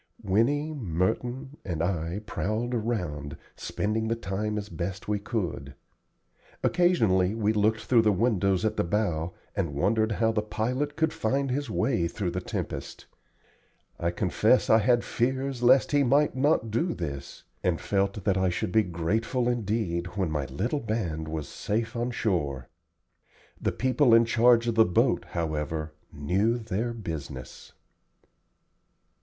Winnie, Merton, and I prowled around, spending the time as best we could. Occasionally we looked through the windows at the bow, and wondered how the pilot could find his way through the tempest. I confess I had fears lest he might not do this, and felt that I should be grateful indeed when my little band was safe on shore. The people in charge of the boat, however, knew their business.